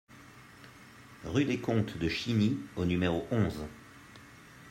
Rue des Comtes de Chiny au numéro onze